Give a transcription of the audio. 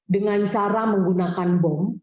dengan cara menggunakan bom